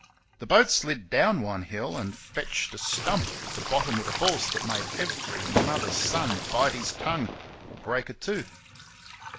The boat slid down one hill, and "fetched" a stump at the bottom with a force that made every mother's son bite his tongue or break a tooth.